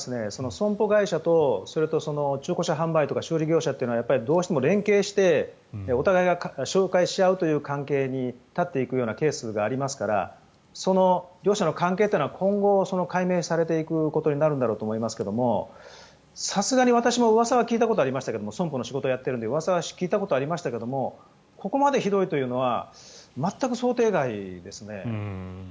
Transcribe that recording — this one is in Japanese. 損保会社と中古車販売とか修理業者というのはどうしても連携してお互いが紹介し合うという関係に立っていくようなケースがありますから両者の関係というのは今後、解明されていくことになるんだろうと思いますがさすがに私も、うわさは聞いたことありましたけど損保の仕事をやっているのでうわさは聞いたことありますがここまでひどいというのは全く想定外ですね。